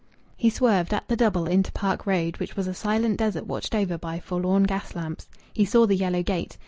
He swerved at the double into Park Road, which was a silent desert watched over by forlorn gaslamps. He saw the yellow gate.